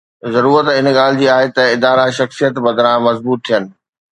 ضرورت ان ڳالهه جي آهي ته ادارا ”شخصيت“ بدران مضبوط ٿين.